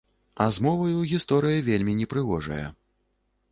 А з моваю гісторыя вельмі непрыгожая!